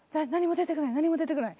何も出てこない